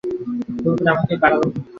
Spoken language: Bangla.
ভুল করে আমাকে বাড়াবেন না।